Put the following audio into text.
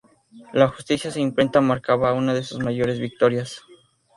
La justicia de imprenta marcaba una de sus mayores victorias.